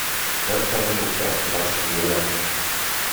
Δε θέλουν πια τη βασιλεία.